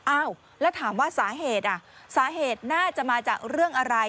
อ้าวแล้วถามว่าสาเหตุอ่ะสาเหตุน่าจะมาจากเรื่องอะไร